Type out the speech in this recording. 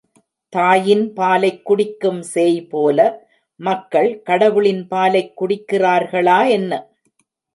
தாயின் பாலைக் குடிக்கும் சேய்போல, மக்கள் கடவுளின் பாலைக் குடிக்கிறார்களா என்ன?